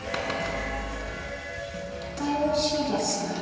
絶対おいしいですよね。